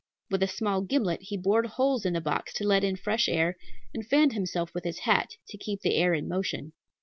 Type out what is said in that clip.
With a small gimlet he bored holes in the box to let in fresh air, and fanned himself with his hat, to keep the air in motion.